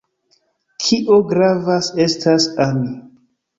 Kio gravas estas ami.